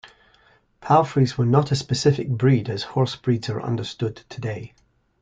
Palfreys were not a specific breed as horse breeds are understood today.